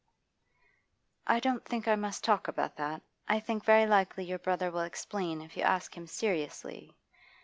'I don't think I must talk about that. I think very likely jour brother will explain if you ask him seriously.